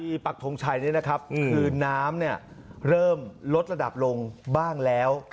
พี่ปักทงชัยนะครับคืนน้ำเริ่มลดระดับลงบ้างแล้ว